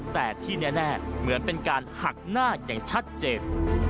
แต่ที่แน่เหมือนเป็นการหักหน้าอย่างชัดเจน